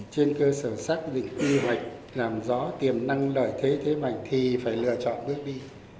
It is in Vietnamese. trên cơ sở xác định quy hoạch làm rõ tiềm năng lợi thế thế mạnh thì phải lựa chọn bước đi